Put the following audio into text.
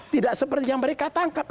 tidak seperti yang mereka tangkap